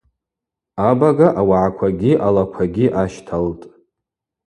Абага ауагӏаквагьи алаквагьи ащталтӏ.